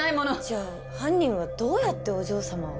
じゃあ犯人はどうやってお嬢様を？